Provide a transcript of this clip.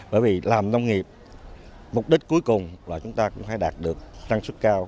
bởi vì làm nông nghiệp mục đích cuối cùng là chúng ta cũng phải đạt được sản xuất cao